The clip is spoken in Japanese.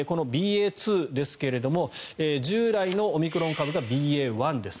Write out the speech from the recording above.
このＢＡ．２ですが従来のオミクロン株がＢＡ．１です。